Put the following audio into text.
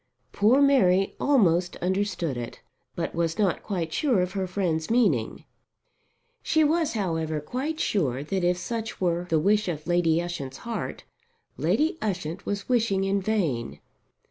Poor Mary almost understood it, but was not quite sure of her friend's meaning. She was, however, quite sure that if such were the wish of Lady Ushant's heart, Lady Ushant was wishing in vain.